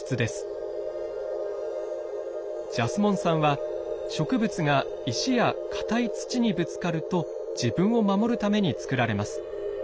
ジャスモン酸は植物が石や硬い土にぶつかると自分を守るために作られます。